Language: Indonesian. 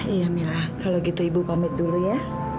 iya mila kalau gitu ibu pamit dulu ya